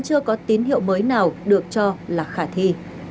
chưa có tín hiệu mới nào được cho là khả thi